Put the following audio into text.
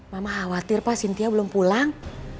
mama khawatir pa sintia belum pulang